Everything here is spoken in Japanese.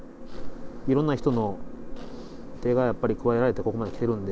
いろんな人の手が加えられてここまで来てるんで。